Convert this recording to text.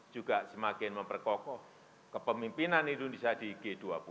juga semakin memperkokoh kepemimpinan indonesia di g dua puluh